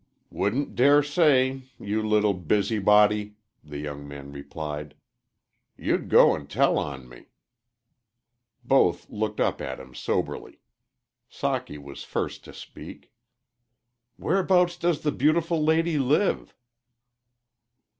"Wouldn't dare say you little busybody!" the young man replied. "You'd go and tell on me." Both looked up at him soberly. Socky was first to speak. "Where'bouts does 'the beautiful lady' live?"